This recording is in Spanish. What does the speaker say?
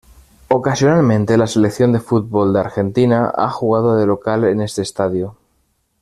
Ocasionalmente, la selección de fútbol de Argentina ha jugado de local en este estadio.